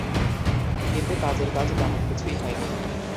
কিন্তু কাজের কাজ তেমন কিছুই হয়নি।